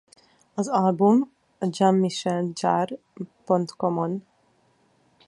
Az album a Jeanmicheljarre.com-on